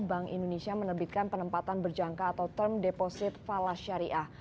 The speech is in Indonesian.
bank indonesia menerbitkan penempatan berjangka atau term deposit falas syariah